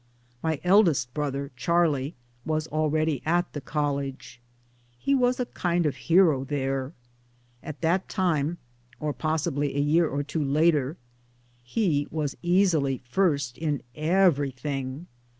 My eldest brother Charlie was already at the College. He was a kind of hero there. At that time (or possibly a year or two later) he was easily first in everything.